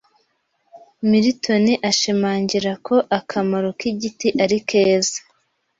Milton ashimangira ko akamaro k'igiti arikeza